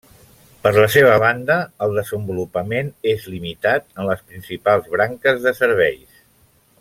Per la seva banda, el desenvolupament és limitat en les principals branques de serveis.